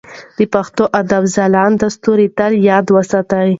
د پښتو ادب ځلانده ستوري تل یاد وساتئ.